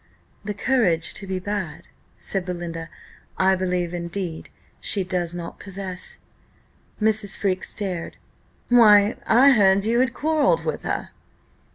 "The courage to be bad," said Belinda, "I believe, indeed, she does not possess." Mrs. Freke stared. "Why, I heard you had quarrelled with her!"